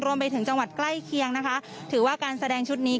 รวมไปถึงจังหวัดใกล้เคียงนะคะถือว่าการแสดงชุดนี้